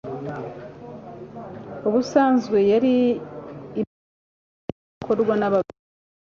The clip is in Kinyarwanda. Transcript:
ubusanzwe yari imenyerewe gukorwa n'abagabo